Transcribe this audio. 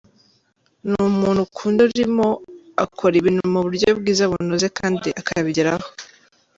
Ni umuntu ukunda umurimo, akora ibintu mu buryo bwiza bunoze kandi akabigeraho.